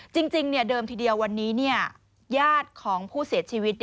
จริงเดิมทีเดียววันนี้ญาติของผู้เสียชีวิต